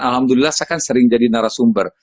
alhamdulillah saya kan sering jadi narasumber